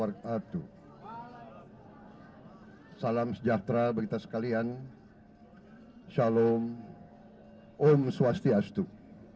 assalamu alaikum warahmatullahi wabarakatuh